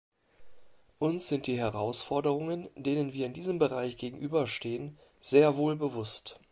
Uns sind die Herausforderungen, denen wir in diesem Bereich gegenüberstehen, sehr wohl bewusst.